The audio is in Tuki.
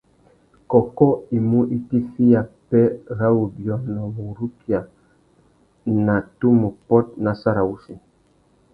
Kôkô i mú itiffiya pêh râ wubiônô wurukia a nà tumu pôt nà sarawussi.